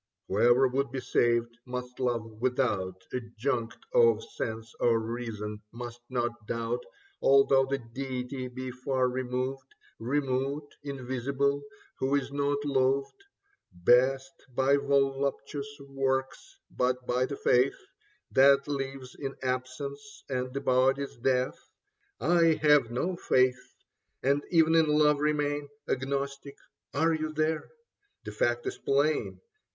Whoever would be saved, must love without Adjunct of sense or reason, must not doubt Although the deity be far removed, Remote, invisible ; who is not loved Best by voluptuous works, but by the faith That lives in absence and the body's death. I have no faith, and even in love remain Agnostic. Are you here ? The fact is plain.